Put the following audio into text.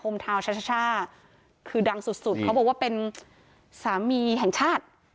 เท้าชาคือดังสุดสุดเขาบอกว่าเป็นสามีแห่งชาติ